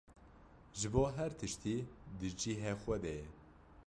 ji bo her tiştî di cihê xwe de ye.